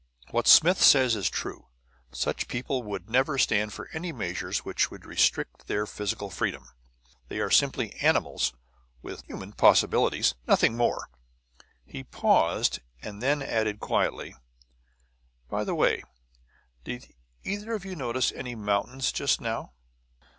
"What Smith says is true; such people would never stand for any measures which would restrict their physical freedom. They are simply animals with human possibilities, nothing more." He paused, and then added quietly, "By the way, did either of you notice any mountains just now?"